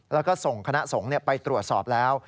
แล้วก็ส่งคณะสงฆ์ไปตรวจสอบแล้ว